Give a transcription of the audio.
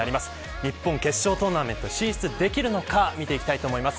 日本決勝トーナメント進出できるのか見ていきます。